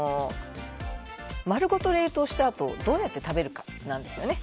丸ごと冷凍したあとどうやって食べるかなんですよね。